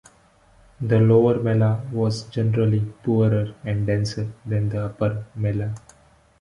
The "Lower" Mellah was generally poorer and denser than the Upper Mellah.